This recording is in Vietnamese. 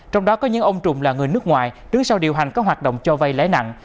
trong đó có những ông trùng là người nước ngoài đứng sau điều hành các hoạt động cho vay lãi nặng